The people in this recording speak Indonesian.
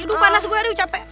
aduh panas gue aduh capek